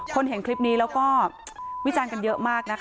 เห็นคลิปนี้แล้วก็วิจารณ์กันเยอะมากนะคะ